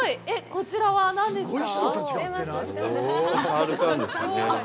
こちらは何ですか。